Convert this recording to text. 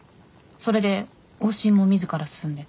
それで往診もみずから進んで？